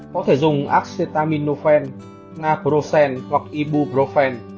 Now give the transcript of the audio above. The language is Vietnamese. có thể dùng acetaminophen narkrosen hoặc ibuprofen